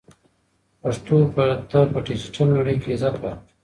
پښتو ته په ډیجیټل نړۍ کې عزت ورکړئ.